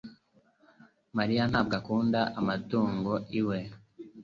mariya ntabwo akunda amatungo iwe